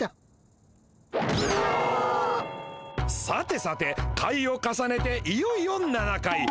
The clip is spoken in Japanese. さてさて回を重ねていよいよ７回。